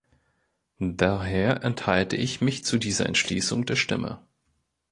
Daher enthalte ich mich zu dieser Entschließung der Stimme.